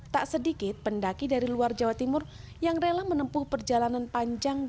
tak sedikit pendaki dari luar jawa timur yang rela menempuh perjalanan panjang